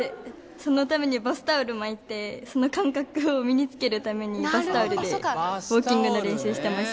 そのためにバスタオル巻いてその感覚を身につけるためにバスタオルでウォーキングの練習してました。